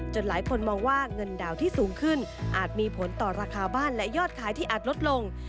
หลายคนมองว่าเงินดาวที่สูงขึ้นอาจมีผลต่อราคาบ้านและยอดขายที่อาจลดลง